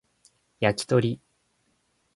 焼き鳥